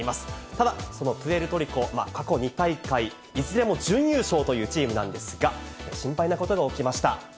ただ、そのプエルトリコ、過去２大会いずれも準優勝というチームなんですが、心配なことが起きました。